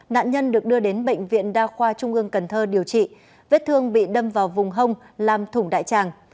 nạn nhân được đưa đến bệnh viện đa khoa trung ương cần thơ điều trị vết thương bị đâm vào vùng hông làm thủng đại tràng